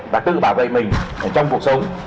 và tự bảo vệ mình trong cuộc sống